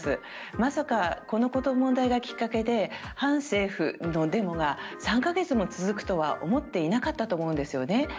まさかこの問題がきっかけで反政府のデモが３か月も続くとは思っていなかったと思うんですよね。